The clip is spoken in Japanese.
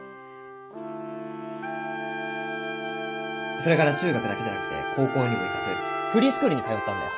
・それから中学だけじゃなくて高校にも行かずフリースクールに通ったんだよ。